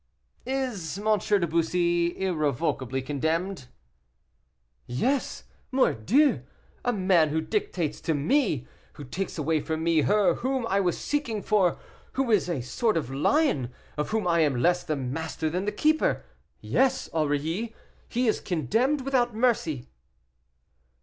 "Is M. de Bussy irrevocably condemned?" "Yes, mordieu! A man who dictates to me who takes away from me her whom I was seeking for who is a sort of lion, of whom I am less the master than the keeper yes, Aurilly, he is condemned without mercy."